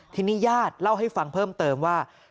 ทีนี้ญาติเล่าให้ฟังเพิ่มเติมว่า